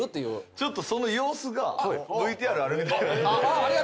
ちょっとその様子がＶＴＲあるみたいなんで。